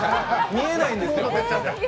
見えないんですよ。